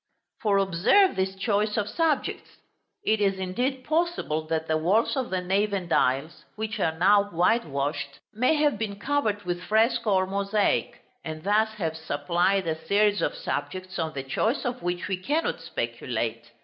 For observe this choice of subjects. It is indeed possible that the walls of the nave and aisles, which are now whitewashed, may have been covered with fresco or mosaic, and thus have supplied a series of subjects, on the choice of which we cannot speculate.